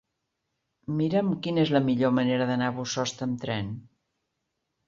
Mira'm quina és la millor manera d'anar a Bossòst amb tren.